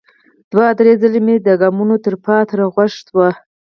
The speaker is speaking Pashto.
دوه ـ درې ځلې مې د ګامونو ترپا تر غوږ شوه.